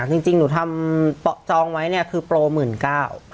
จริงหนูทำจองไว้เนี่ยคือโปรหมื่นเก้า